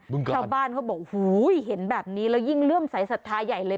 เฮียบ้านเขาบอกเฮ้ยเห็นแบบนี้แล้วยิ่งเลื่อมสายสัตว์ท้ายใหญ่เลย